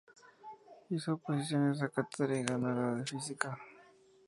Hizo oposiciones a cátedra y ganó la de física.